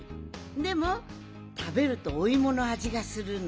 でもたべるとおいものあじがするの。